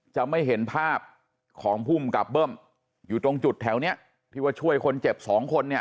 จะไม่เห็นภาพของภูมิกับเบิ้มอยู่ตรงจุดแถวเนี้ยที่ว่าช่วยคนเจ็บสองคนเนี่ย